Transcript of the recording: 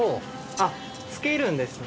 あっつけるんですね。